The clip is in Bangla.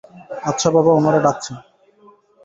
আচ্ছা বাবা, ওনারা ডাকছেন।